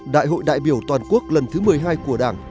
đại hội đại biểu toàn quốc lần thứ một mươi hai của đảng